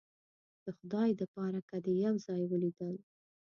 د خدای د پاره که دې یو ځای ولیدل